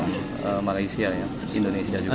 itu dari negara malaysia indonesia juga